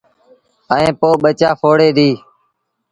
ائيٚݩ پو ٻچآ ڦوڙي ديٚ۔